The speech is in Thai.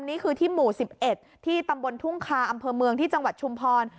นี่คือที่หมู่๑๑ที่ตำบลทุ่งคาอำเภอเมืองที่จังหวัดชุมพร